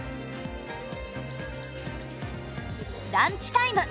ランチタイム。